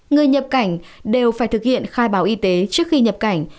người nhập cảnh đều phải thực hiện khai báo y tế trước khi nhập cảnh